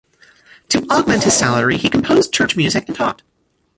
To augment his salary he composed church music and taught.